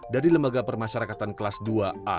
dari lembaga permasyarakatan kelas dua a